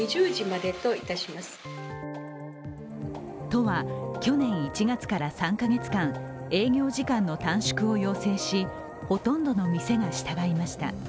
都は去年１月から３カ月間営業時間の短縮を要請しほとんどの店が従いました。